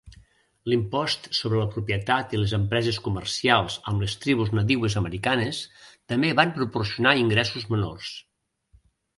L'impost sobre la propietat i les empreses comercials amb les tribus nadiues americanes també van proporcionar ingressos menors.